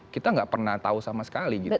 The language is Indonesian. kita nggak pernah tahu sama sekali gitu